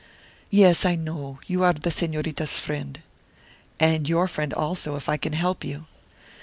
"Yes, I know; you are the Señorita's friend." "And your friend also, if I can help you."